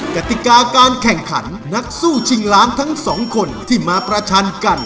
กติกาการแข่งขันนักสู้ชิงล้านทั้งสองคนที่มาประชันกัน